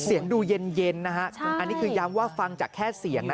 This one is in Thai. เสียงดูเย็นนะฮะอันนี้คือย้ำว่าฟังจากแค่เสียงนะ